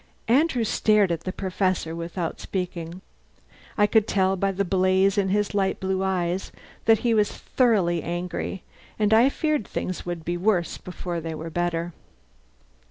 Andrew stared at the Professor without speaking. I could tell by the blaze in his light blue eyes that he was thoroughly angry, and I feared things would be worse before they were better.